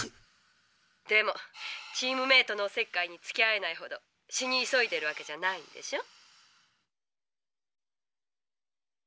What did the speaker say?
でもチームメートのおせっかいにつきあえないほど死に急いでるわけじゃないんでしょ？